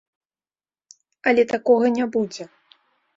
Але такога не будзе.